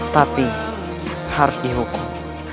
tapi harus dihukum